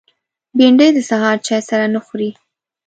بېنډۍ د سهار چای سره نه خوري